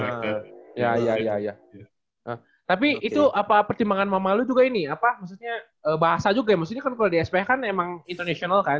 iya iya iya tapi itu apa pertimbangan memalu juga ini apa maksudnya bahasa juga ya maksudnya kan kalau di sph kan emang international kan